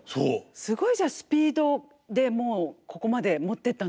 すごいスピードでもうここまで持っていったんですね。